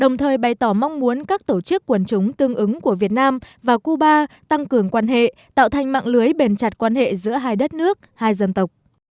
giúp quần chúng tương ứng của việt nam và cuba tăng cường quan hệ tạo thành mạng lưới bền chặt quan hệ giữa hai đất nước hai dân tộc